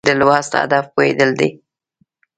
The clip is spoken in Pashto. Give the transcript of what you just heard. د لوست هدف پوهېدل دي.